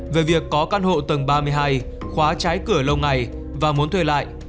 về việc có căn hộ tầng ba mươi hai khóa trái cửa lâu ngày và muốn thuê lại